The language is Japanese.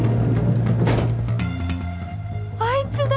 あいつだ！